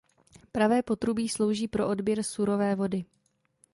Pravé potrubí slouží pro odběr surové vody.